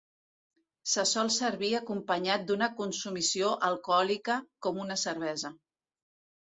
Se sol servir acompanyat d'una consumició alcohòlica, com una cervesa.